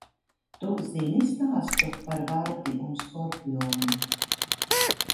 Tu zini stāstu par vardi un skorpionu?